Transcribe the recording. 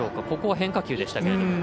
ここは変化球でしたけれども。